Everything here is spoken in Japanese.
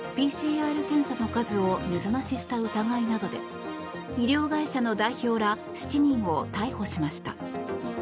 ＰＣＲ検査の数を水増しした疑いなどで医療会社の代表ら７人を逮捕しました。